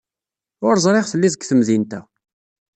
Ur ẓriɣ telliḍ deg temdint-a.